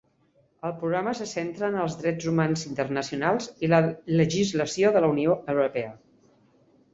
El programa se centra en els drets humans internacionals i la legislació de la Unió Europea.